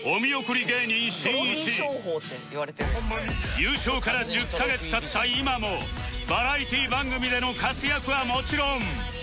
優勝から１０カ月経った今もバラエティー番組での活躍はもちろん